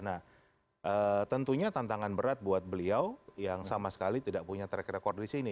nah tentunya tantangan berat buat beliau yang sama sekali tidak punya track record di sini